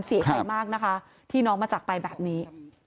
เสียใจมากนะคะที่น้องมาจากไปแบบนี้